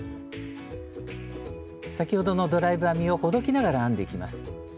先ほどのドライブ編みをほどきながら編んでいきます。